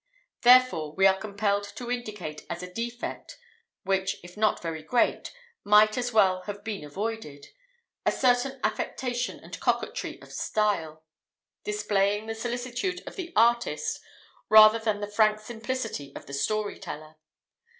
Therefore, we are compelled to indicate as a defect which, if not very great, might as well have been avoided a certain affectation and coquetry of style, displaying the solicitude of the artist rather than the frank simplicity of the story teller.